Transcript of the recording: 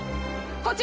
こっち